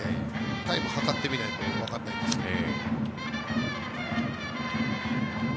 タイムを計ってみないと分からないですけど。